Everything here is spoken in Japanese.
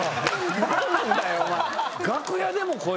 何なんだよお前。